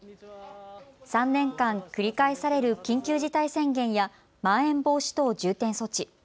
３年間、繰り返される緊急事態宣言やまん延防止等重点措置。